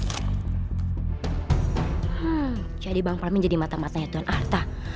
hmm jadi bang palmin jadi mata matanya tuan arta